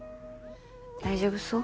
大丈夫そう？